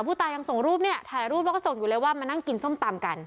ผู้ตายยังส่งรูปเนี่ยถ่ายรูปแล้วก็ส่งอยู่เลยว่ามานั่งกินส้มตำกัน